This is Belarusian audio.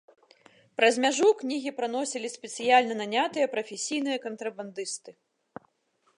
Праз мяжу кнігі праносілі спецыяльна нанятыя прафесійныя кантрабандысты.